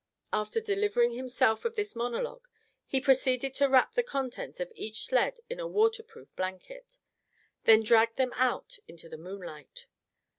After delivering himself of this monologue, he proceeded to wrap the contents of each sled in a water proof blanket, then dragged them out into the moonlight.